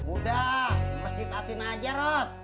udah masjid atin aja rod